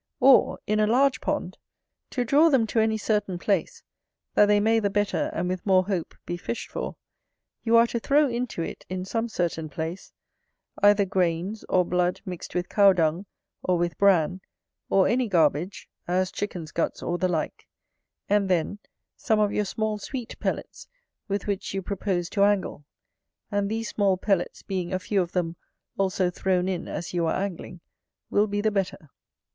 Or, in a large pond, to draw them to any certain place, that they may the better and with more hope be fished for, you are to throw into it, in some certain place, either grains, or blood mixt with cow dung or with bran; or any garbage, as chicken's guts or the like; and then, some of your small sweet pellets with which you propose to angle: and these small pellets being a few of them also thrown in as you are angling, will be the better.